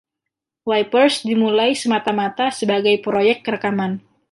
Wipers dimulai semata-mata sebagai proyek rekaman.